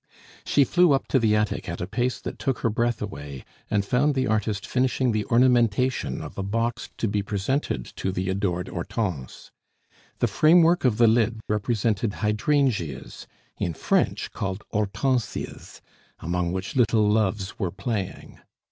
She flew up to the attic at a pace that took her breath away, and found the artist finishing the ornamentation of a box to be presented to the adored Hortense. The framework of the lid represented hydrangeas in French called Hortensias among which little Loves were playing.